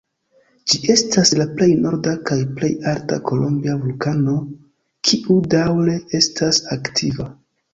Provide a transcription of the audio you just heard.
Ĝi estas la plej norda kaj plej alta kolombia vulkano, kiu daŭre estas aktiva.